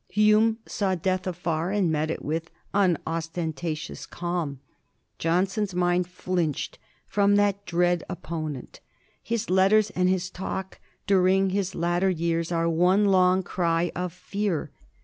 Hume saw death afar, and met it with unostentatious calm. Johnson's mind flinched from that dread opponent. His letters and his talk during his latter years are one long cry of fear.